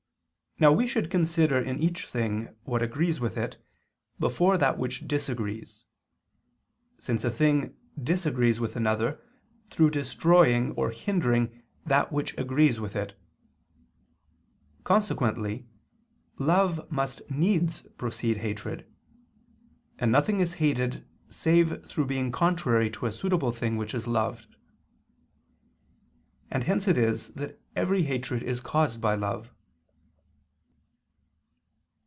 Now we should consider in each thing, what agrees with it, before that which disagrees: since a thing disagrees with another, through destroying or hindering that which agrees with it. Consequently love must needs precede hatred; and nothing is hated, save through being contrary to a suitable thing which is loved. And hence it is that every hatred is caused by love.